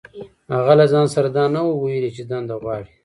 هغه له ځان سره دا نه وو ويلي چې دنده غواړي.